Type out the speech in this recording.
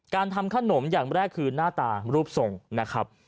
ทำขนมอย่างแรกคือหน้าตารูปทรงนะครับ